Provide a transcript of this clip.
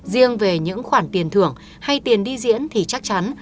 riêng về những khoản tiền thưởng hay tiền đi diễn thì chắc chắn